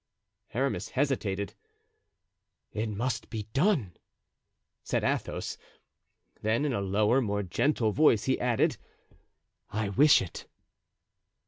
Aramis hesitated. "It must be done," said Athos; then in a lower and more gentle voice, he added. "I wish it."